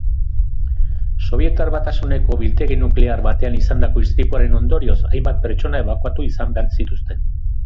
Sobietar Batasuneko biltegi nuklear batean izandako istripuaren ondorioz, hainbat pertsona ebakuatu izan behar zituzten.